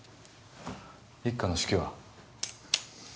一課の指揮は？